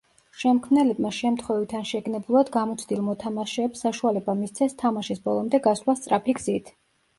შემქმნელებმა შემთხვევით ან შეგნებულად გამოცდილ მოთამაშეებს საშუალება მისცეს თამაშის ბოლომდე გასვლა სწრაფი გზით.